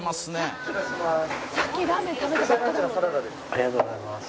ありがとうございます。